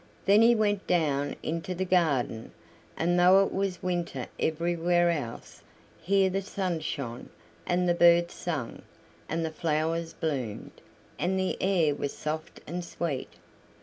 Then he went down into the garden, and though it was winter everywhere else, here the sun shone, and the birds sang, and the flowers bloomed, and the air was soft and sweet.